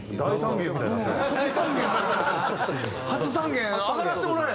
初３弦アガらせてもらえ。